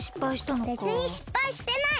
べつにしっぱいしてない！